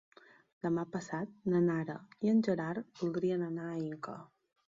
Demà passat na Nara i en Gerard voldrien anar a Inca.